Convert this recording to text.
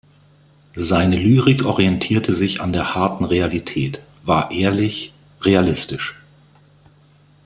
Seine Lyrik orientierte sich an der harten Realität, war ehrlich, realistisch.